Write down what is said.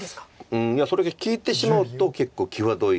いやそれが利いてしまうと結構際どい感じです。